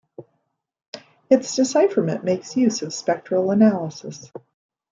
Its decipherment makes use of spectral analysis.